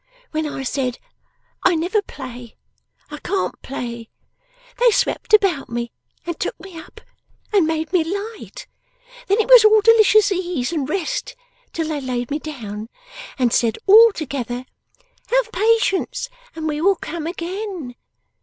When I said "I never play! I can't play!" they swept about me and took me up, and made me light. Then it was all delicious ease and rest till they laid me down, and said, all together, "Have patience, and we will come again."